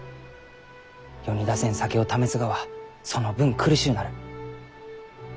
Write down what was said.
世に出せん酒を試すがはその分苦しゅうなる。